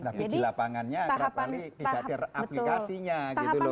nah di lapangannya terlalu banyak aplikasinya gitu loh